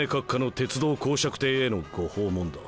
鉄道侯爵邸へのご訪問だ。